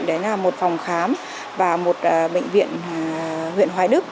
đấy là một phòng khám và một bệnh viện huyện hoài đức